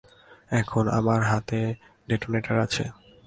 এখন আমার হাতে ডেটোনেটর আছে।